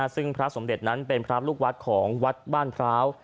ซึ่งพระสมเด็จนั้นเป็นพระลูกวัดของวัดบ้านพร้าว